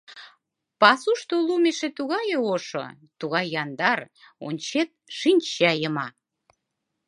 Пасушто лум эше тугае ошо, Тугай яндар: ончет — шинча йыма.